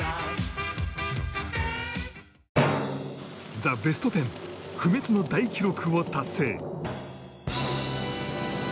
『ザ・ベストテン』不滅の大記録を達成